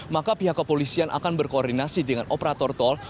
maka pihak kepolisian akan berkoordinasi dengan operator tol